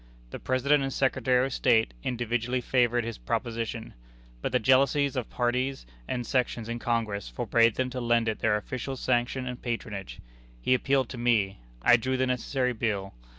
The President and Secretary of State individually favored his proposition; but the jealousies of parties and sections in Congress forbade them to lend it their official sanction and patronage. He appealed to me. I drew the necessary bill.